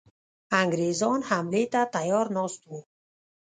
انګرېزان حملې ته تیار ناست وه.